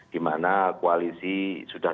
dimana koalisi sudah